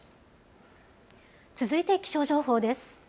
続いて気象情報です。